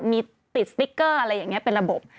มีติดสติ๊กเกอร์อะไรอย่างนี้เป็นระบบ